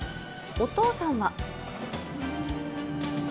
お父さんは。